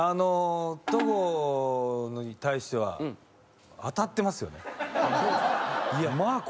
戸郷に対しては当たってますよね。